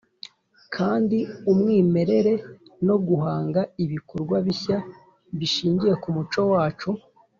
kandi umwimerere, no guhanga ibikorwa bishya bishingiye ku muco wacu